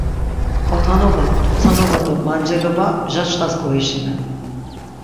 Otanoba, t̆utsanoba do menceloba mjaçxas goişinen.